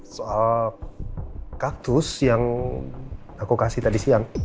soal kaktus yang aku kasih tadi siang